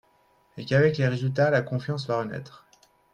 Et qu’avec les résultats, la confiance va renaître.